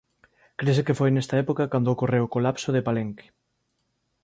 Crese que foi nesta época cando ocorreu o colapso de Palenque.